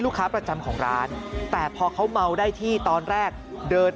ค้าประจำของร้านแต่พอเขาเมาได้ที่ตอนแรกเดิน